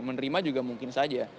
menerima juga mungkin saja